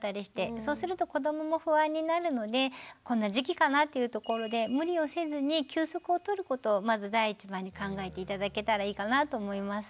そうすると子どもも不安になるのでこんな時期かなっていうところで無理をせずに休息をとることをまず第一番に考えて頂けたらいいかなと思います。